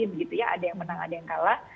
begitu ya ada yang menang ada yang kalah